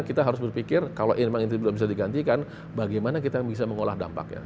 kita harus berpikir kalau ini memang bisa digantikan bagaimana kita bisa mengolah dampaknya